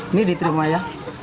ini diterima ya